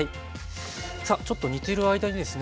さあちょっと煮てる間にですね